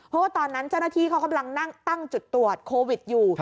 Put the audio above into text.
เพราะว่าตอนนั้นเจ้าหน้าที่เขากำลังนั่งตั้งจุดตรวจโควิดอยู่